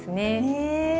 へえ。